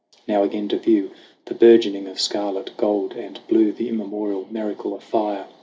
Now again to view The burgeoning of scarlet, gold and blue, The immemorial miracle of fire